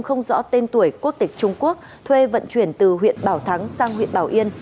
không rõ tên tuổi quốc tịch trung quốc thuê vận chuyển từ huyện bảo thắng sang huyện bảo yên